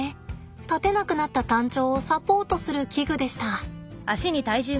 立てなくなったタンチョウをサポートする器具でした。